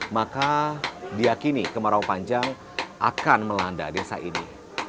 maka diakini kemarau panjang akan melanda desa ini